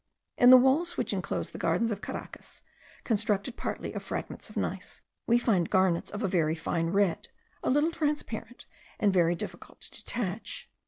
In the walls which enclose the gardens of Caracas, constructed partly of fragments of gneiss, we find garnets of a very fine red, a little transparent, and very difficult to detach.